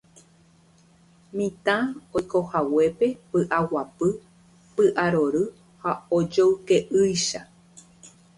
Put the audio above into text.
mitã oikohaguépe py'aguapy, py'arory ha ojoyke'ýicha